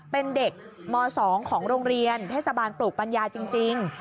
เป็นเด็กม๒ของโรงเรียนเทศบาลปลูกปัญญาจริง